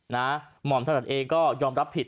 หม่อมศาสตร์เอ็กซ์ก็ยอมรับผิด